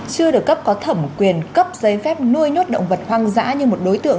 chưa được cấp có thẩm quyền cấp giấy phép nuôi nhốt động vật hoang dã như một đối tượng